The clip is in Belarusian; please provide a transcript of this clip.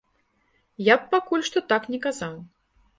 Я б пакуль што так не казаў.